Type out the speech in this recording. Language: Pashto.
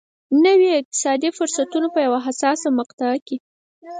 نویو اقتصادي فرصتونو په یوه حساسه مقطعه کې.